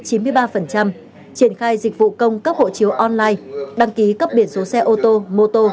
triển khai dịch vụ công cấp hộ chiếu online đăng ký cấp biển số xe ô tô mô tô